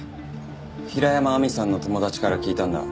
平山亜美さんの友達から聞いたんだ。